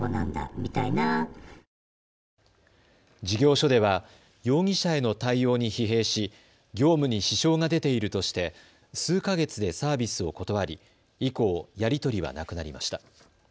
事業所では容疑者への対応に疲弊し業務に支障が出ているとして数か月でサービスを断り以降、やり取りはなくなりました。